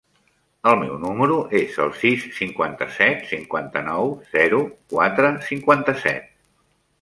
El meu número es el sis, cinquanta-set, cinquanta-nou, zero, quatre, cinquanta-set.